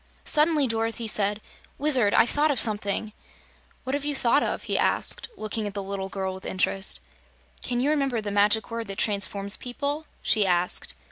Suddenly Dorothy said: "Wizard, I've thought of something!" "What have you thought of?" he asked, looking at the little girl with interest. "Can you remember the Magic Word that transforms people?" she asked.